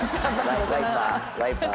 はい。